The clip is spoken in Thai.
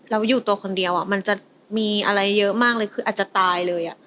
เราอยู่ตัวคนเดียวมันจะมีอะไรเยอะมากเลยคืออาจจะตายเลย